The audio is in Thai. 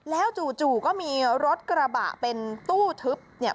แล้วจู่ก็มีรถกระบะเป็นตู้ทึบเนี่ย